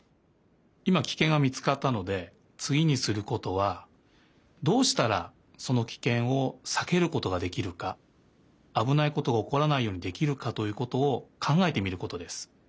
いまキケンがみつかったのでつぎにすることはどうしたらそのキケンをさけることができるかあぶないことがおこらないようにできるかということをかんがえてみることです。